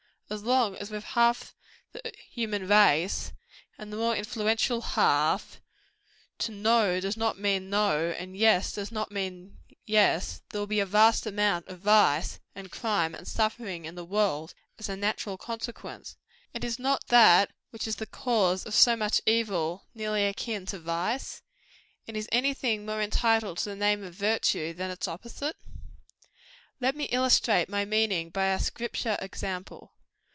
As long as with half the human race and the more influential half, too no does not mean no, and yes does not mean yes, there will be a vast amount of vice, and crime, and suffering in the world, as the natural consequence. And is not that which is the cause of so much evil, nearly akin to vice? And is any thing more entitled to the name of virtue, than its opposite? Let me illustrate my meaning by a Scripture example.